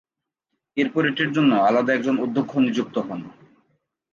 এরপর এটির জন্য আলাদা একজন অধ্যক্ষ নিযুক্ত হন।